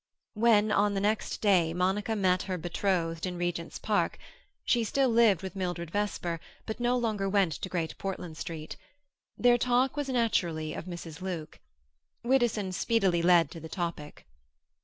When, on the next day, Monica met her betrothed in Regent's Park—she still lived with Mildred Vesper, but no longer went to Great Portland Street—their talk was naturally of Mrs. Luke. Widdowson speedily led to the topic.